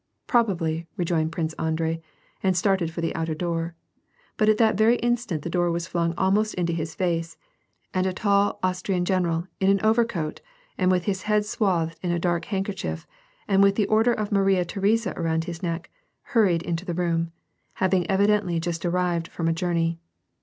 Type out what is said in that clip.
"Probably," rejoined Prince Andrei, and started for the outer door; but at that very instant the door was flung almost into his face, and a tall Austrian general, in an overcoat, and with his head swathed in a dark handkerchief, and with the order of Maria Theresa around his neck, hurried into the room, having evidently just arrived from a journey.